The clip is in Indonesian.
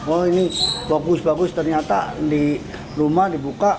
oh ini bagus bagus ternyata di rumah dibuka